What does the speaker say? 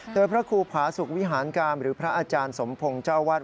โดยพระครูผาสุขวิหารกรรมหรือพระอาจารย์สมพงศ์เจ้าวัด